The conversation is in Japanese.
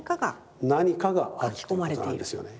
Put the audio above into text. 何かがあるということなんですよね。